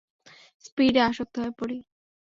স্পীডে আসক্ত হয়ে পড়ি।